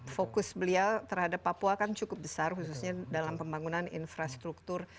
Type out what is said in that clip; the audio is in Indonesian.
fokus beliau terhadap papua kan cukup besar khususnya dalam pembangunan infrastruktur